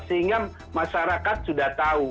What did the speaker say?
sehingga masyarakat sudah tahu